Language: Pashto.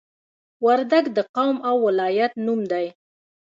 وردګ د قوم او ولایت نوم دی